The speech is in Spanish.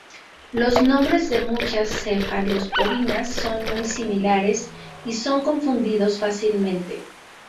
Los nombres de muchas cefalosporinas son muy similares y son confundidos fácilmente.